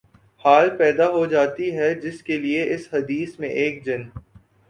حال پیدا ہو جاتی ہے جس کے لیے اس حدیث میں ایک جن